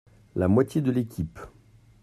La moitié de l’équipe.